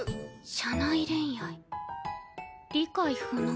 社内恋愛理解不能。